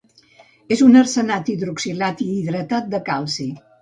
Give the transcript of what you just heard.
És un arsenat hidroxilat i hidratat de calci.